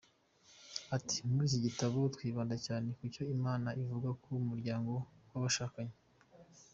Ati “Muri iki gitabo twibanda cyane ku cyo Imana ivuga ku muryango n’abashakanye.